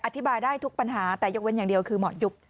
อธิบายได้ทุกปัญหาแต่ยกเว้นอย่างเดียวคือหมอนยุบ